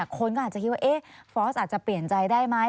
คนก็อาจจะคิดว่าฟอร์สอาจจะเปลี่ยนใจได้ไหม